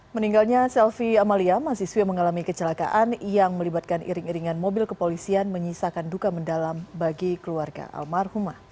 meninggalnya selvi amalia mahasiswi yang mengalami kecelakaan yang melibatkan iring iringan mobil kepolisian menyisakan duka mendalam bagi keluarga almarhumah